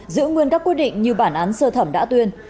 giữ nguyên các quyết định như bản án sơ thẩm đã tuyên